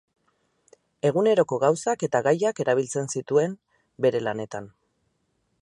Eguneroko gauzak eta gaiak erabiltzen zituen bere lanetan.